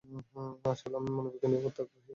আসলে আমি মনোবিজ্ঞান নিয়ে পড়তে আগ্রহী।